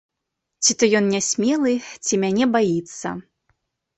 Ці то ён нясмелы, ці мяне баіцца.